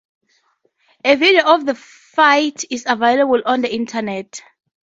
A video of the fight is available on the internet.